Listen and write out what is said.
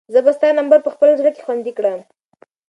زه به ستا نمبر په خپل زړه کې خوندي کړم.